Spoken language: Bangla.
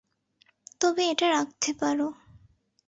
তবে এটা রাখতে পারো।